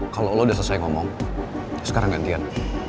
kalau lo udah selesai ngomong sekarang gantian